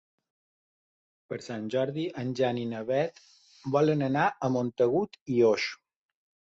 Per Sant Jordi en Jan i na Beth volen anar a Montagut i Oix.